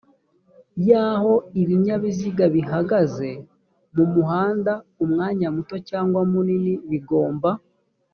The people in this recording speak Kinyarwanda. y aho ibinyabiziga bihagaze mu muhanda umwanya muto cyangwa munini bigomba